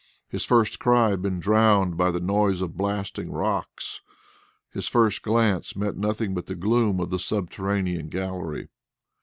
His first cry had been drowned by the noise of blasting rocks, his first glance met nothing but the gloom of the subterranean gallery.